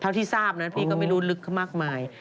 เท่าที่ทราบนะครับพี่ก็ไม่รู้ลึกมากมาย